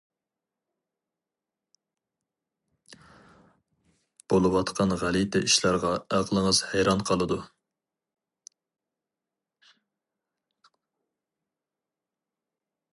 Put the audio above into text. بولۇۋاتقان غەلىتە ئىشلارغا ئەقلىڭىز ھەيران قالىدۇ.